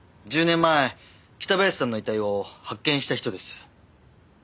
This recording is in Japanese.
１０年前北林さんの遺体を発見した人です。